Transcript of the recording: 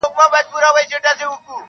• یاره بس چي له مقامه را سوه سم..